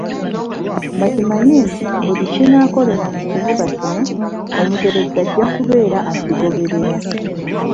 Bakimanye nti buli kinaakolebwa mu kibuga kino Omuteregga ajja kubeera akigoberera.